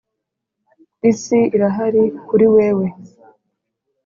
isi irahari kuri wewe